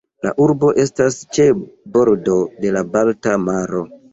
La urbo estas ĉe bordo de la Balta maro.